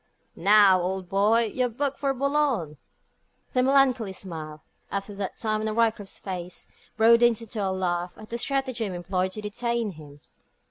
"Now, old boy! You're booked for Boulogne." The melancholy smile, up to that time on Ryecroft's face, broadens into a laugh at the stratagem employed to detain him.